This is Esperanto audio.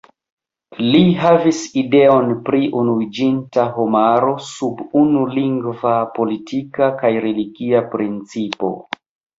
Li havis ideon pri unuiĝinta homaro sub unu lingva, politika kaj religia principo.